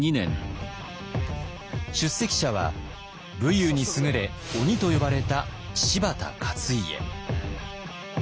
出席者は武勇に優れ鬼と呼ばれた柴田勝家。